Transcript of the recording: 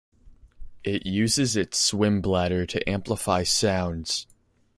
It uses its swim bladder to amplify sounds.